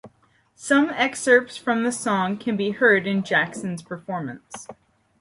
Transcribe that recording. Some excerpts from the song can be heard in Jackson's performance.